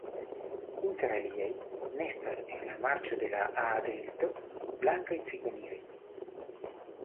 Inter aliaj nestas en la marĉo de la Aa-Delto blankaj cikonioj.